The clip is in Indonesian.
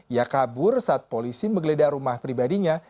ia kabur saat polisi menggeledah rumah pribadinya